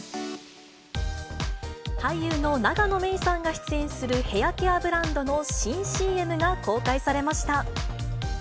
俳優の永野芽郁さんが出演するヘアケアブランドの新ＣＭが公開されました。